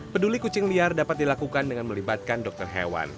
peduli kucing liar dapat dilakukan dengan melibatkan dokter hewan